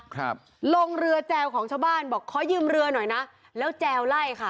ครับลงเรือแจวของชาวบ้านบอกขอยืมเรือหน่อยนะแล้วแจวไล่ค่ะ